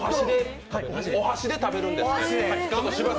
お箸で食べるんですって。